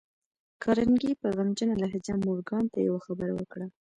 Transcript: کارنګي په غمجنه لهجه مورګان ته يوه خبره وکړه.